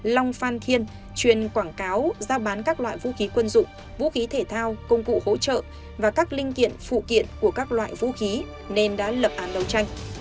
long phan thiên chuyên quảng cáo giao bán các loại vũ khí quân dụng vũ khí thể thao công cụ hỗ trợ và các linh kiện phụ kiện của các loại vũ khí nên đã lập án đấu tranh